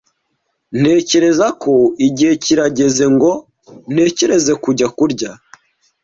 Ntekereza ko igihe kirageze ngo ntekereze kujya kurya.